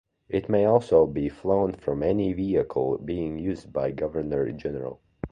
It may also be flown from any vehicle being used by the governor general.